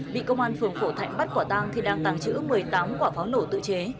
bị công an phường phổ thạnh bắt quả tang khi đang tàng trữ một mươi tám quả pháo nổ tự chế